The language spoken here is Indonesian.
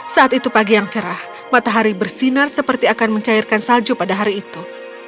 saat itu pagi yang cerah matahari bersinar seperti akan mencairkan salju pada hari itu